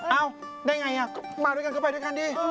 เอ้าได้อย่างไรมาด้วยกันกันไปด้วยกันดี